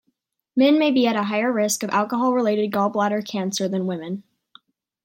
Men may be at a higher risk of alcohol-related gallbladder cancer than women.